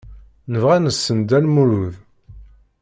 Nebɣa ad nessen Dda Lmulud.